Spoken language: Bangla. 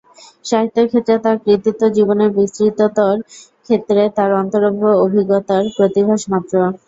সাহিত্যের ক্ষেত্রে তাঁর কৃতিত্ব জীবনের বিস্তৃততর ক্ষেত্রে তাঁর অন্তরঙ্গ অভিজ্ঞতার প্রতিভাস মাত্র।